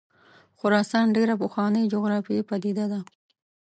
خراسان ډېره پخوانۍ جغرافیایي پدیده ده.